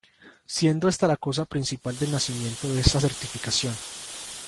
Siendo esta la causa principal del nacimiento de esta certificación.